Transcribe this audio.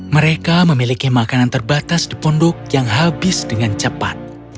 mereka memiliki makanan terbatas di pondok yang habis dengan cepat